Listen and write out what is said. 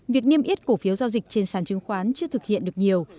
việc niêm yết cổ phiếu giao dịch trên sàn chứng khoán chưa thực hiện được nhiều